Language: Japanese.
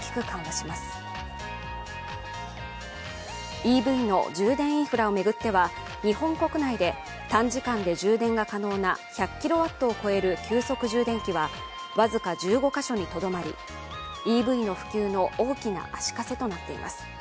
ＥＶの充電インフラを巡っては日本国内で短時間で充電が叶な１００ｋＷを超える、急速充電器は僅か１５か所にとどまり、ＥＶの普及の大きな足かせとなっています。